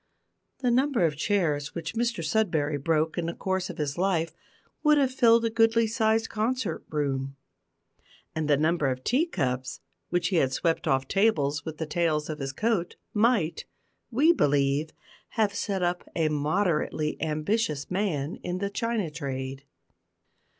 The number of chairs which Mr Sudberry broke in the course of his life would have filled a goodly sized concert room; and the number of tea cups which he had swept off tables with the tails of his coat might, we believe, have set up a moderately ambitious man in the china trade.